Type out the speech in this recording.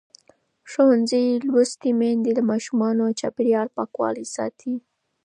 ښوونځې لوستې میندې د ماشومانو د چاپېریال پاکوالي ساتي.